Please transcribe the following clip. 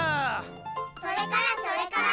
それからそれから？